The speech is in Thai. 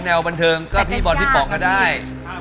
แววบันเทิงก็พี่บอลพี่ป๋องก็ได้